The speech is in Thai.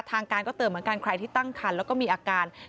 ทางการก็เตือนเหมือนกันใครที่ตั้งคันแล้วก็มีอาการ